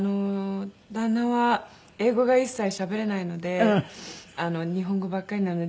旦那は英語が一切しゃべれないので日本語ばっかりなので。